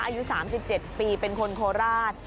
อายุ๓๗ปีเป็นคนโคราช